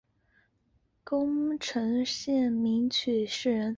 宫城县名取市人。